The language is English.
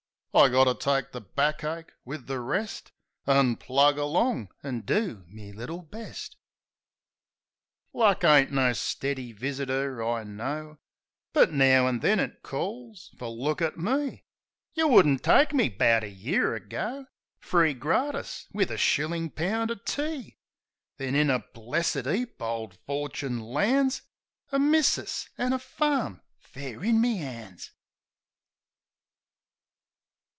I got to take the back ache wiv the rest, An' plug along, an' do me little best. 98 THE SENTIMENTAL BLOKE Luck ain't no steady visitor, I know ; But now an' then it calls — fer look at me J You would n't take me, 'bout a year ago, Free gratis wiv a shillin' pound o' tea; Then, in a blessed 'eap, ole Forchin lands A missus an' a farm fair in me 'ands.